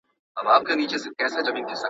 د غپا او انګولا یې ورک درک سي